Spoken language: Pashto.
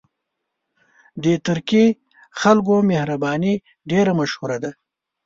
د ترکي خلکو مهرباني ډېره مشهوره ده.